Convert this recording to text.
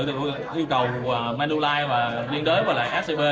thì yêu cầu menolite và riêng đối với scp